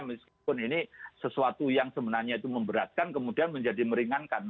meskipun ini sesuatu yang sebenarnya itu memberatkan kemudian menjadi meringankan